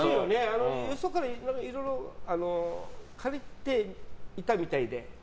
よそからいろいろ借りていたみたいで。